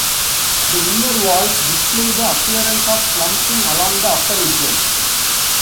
The inner walls display the appearance of slumping along the upper edges.